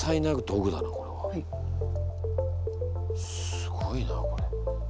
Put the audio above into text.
すごいなこれ。